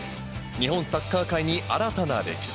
日本サッカー界に新たな歴史。